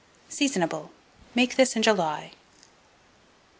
Seasonable. Make this in July.